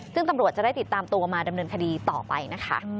ซึ่งตำรวจจะได้ติดตามตัวมาดำเนินคดีต่อไปนะคะ